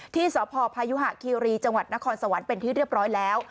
ที่สพพายุหะคีรีจังหวัดนครสวรรค์เป็นที่เรียบร้อยแล้ว